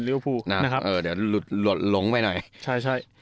เดี๋ยวลงไปหน่อย